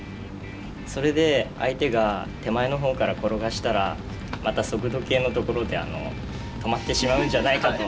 それで相手が手前の方から転がしたらまた速度計の所で止まってしまうんじゃないかと。